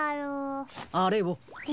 あれを。